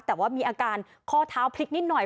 แต่ว่ามีอาการข้อเท้าพลิกนิดหน่อย